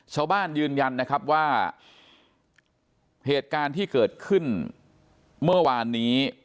ยืนยันนะครับว่าเหตุการณ์ที่เกิดขึ้นเมื่อวานนี้